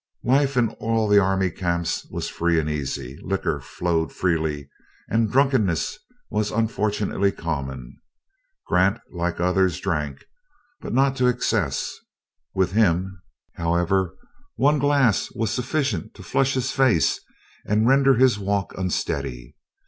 Life in all the army camps was free and easy. Liquor flowed freely, and drunkenness was unfortunately common. Grant like others, drank, but not to excess. With him, however, one glass was sufficient to flush his face and render his walk unsteady.